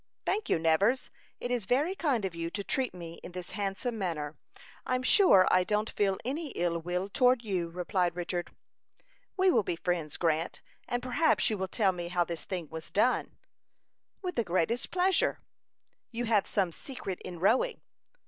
"Thank you, Nevers; it is very kind of you to treat me in this handsome manner. I'm sure I don't feel any ill will toward you," replied Richard. "We will be friends, Grant, and perhaps you will tell me how this thing was done?" "With the greatest pleasure." "You have some secret in rowing."